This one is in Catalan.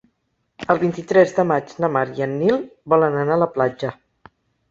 El vint-i-tres de maig na Mar i en Nil volen anar a la platja.